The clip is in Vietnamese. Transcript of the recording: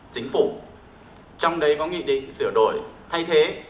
chính phủ trong đấy có nghị định sửa đổi thay thế